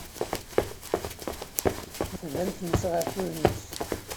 Tban tmes ɣef wudem-is.